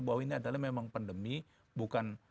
bahwa ini adalah memang pandemi bukan